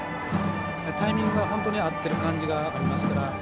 タイミングが本当に合っている感じがありますから。